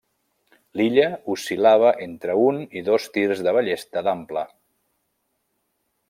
L'illa oscil·lava entre un i dos tirs de ballesta d'ample.